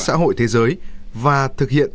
xã hội thế giới và thực hiện